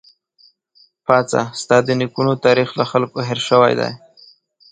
پاڅه ! ستا د نيکونو تاريخ له خلکو هېر شوی دی